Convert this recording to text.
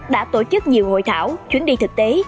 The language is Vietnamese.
đã tổ chức nhiều hội thảo chuyến đi thực tế